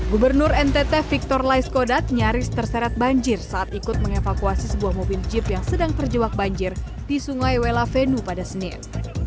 gubernur ntt victor laiskodat nyaris terseret banjir saat ikut mengevakuasi sebuah mobil jeep yang sedang terjebak banjir di sungai welavenu pada senin